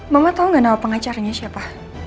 mama tau gak nama pengacaranya siapa